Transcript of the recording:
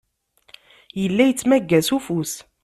Yella yettmagga s ufus.